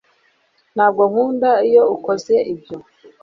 Ntabwo nkunda iyo ukoze ibyo